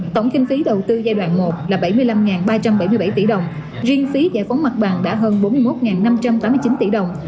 tổng kinh phí đầu tư giai đoạn một là bảy mươi năm ba trăm bảy mươi bảy tỷ đồng riêng phí giải phóng mặt bằng đã hơn bốn mươi một năm trăm tám mươi chín tỷ đồng